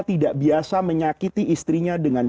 tidak biasa menyakiti istrinya dengan